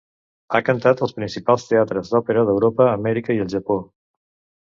Ha cantat als principals teatres d'òpera d'Europa, Amèrica i el Japó.